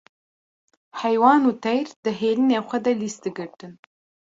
heywan û teyr di hêlînên xwe de lîs digirtin.